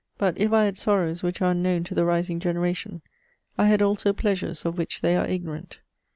But, if I had sorrows which are unknown to the rising generation, I had also pleasures of which they are ignorant.